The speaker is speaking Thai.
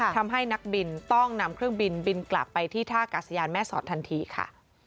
ทำให้นักบินต้องนำเครื่องบินบินกลับไปที่ท่ากาศยานแม่สอดทันทีค่ะ